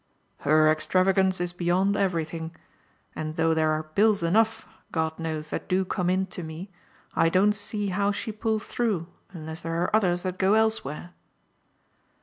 "Her extravagance is beyond everything, and though there are bills enough, God knows, that do come in to me, I don't see how she pulls through unless there are others that go elsewhere."